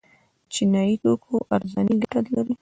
د چینایي توکو ارزاني ګټه لري؟